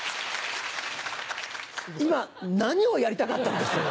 今何をやりたかったんでしょう？